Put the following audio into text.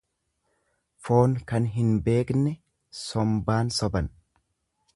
Foon kan hin beekne sombaan soban.